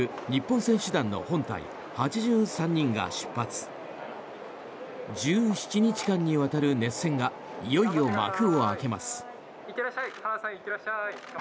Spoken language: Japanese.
１７日間にわたる熱戦がいよいよ幕を開けます。